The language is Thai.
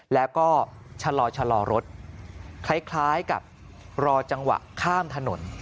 แล้วก็ชะลอรถคล้ายกับรอจังหวะข้ามถนน